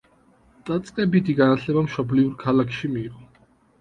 დაწყებითი განათლება მშობლიურ ქალაქში მიიღო.